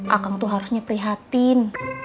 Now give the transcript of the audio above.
akang tuh harusnya prihatin